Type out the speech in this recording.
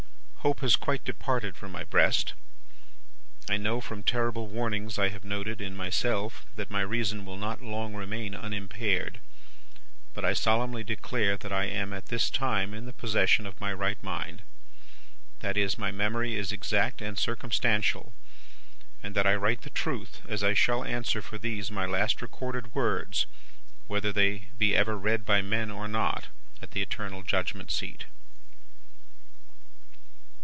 Hope has quite departed from my breast. I know from terrible warnings I have noted in myself that my reason will not long remain unimpaired, but I solemnly declare that I am at this time in the possession of my right mind that my memory is exact and circumstantial and that I write the truth as I shall answer for these my last recorded words, whether they be ever read by men or not, at the Eternal Judgment seat.